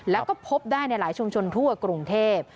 แล้วก็พบได้ในหลายชุมชนทั่วกรุงเทพ